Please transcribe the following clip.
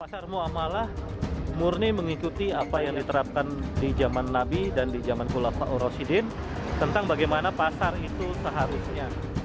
pasar ⁇ muamalah ⁇ murni mengikuti apa yang diterapkan di zaman nabi dan di zaman kulafa ⁇ orosidin tentang bagaimana pasar itu seharusnya